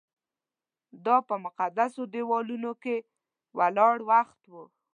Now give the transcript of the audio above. دا په مقدسو دیوالونو کې ولاړ وخت و.